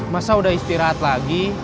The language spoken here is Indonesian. masa udah istirahat lagi